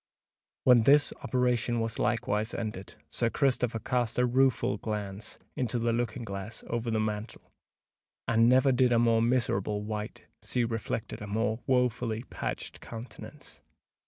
When this operation was likewise ended, Sir Christopher cast a rueful glance into the looking glass over the mantel; and never did a more miserable wight see reflected a more woefully patched countenance.